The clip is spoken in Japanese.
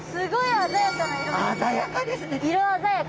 鮮やかですね。